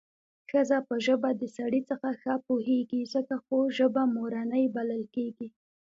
ښځه په ژبه د سړي څخه ښه پوهېږي څکه خو ژبه مورنۍ بلل کېږي